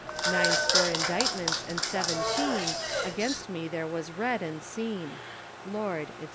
Nine score inditements and seaventeene Against me there was read and seene. Lord, &c.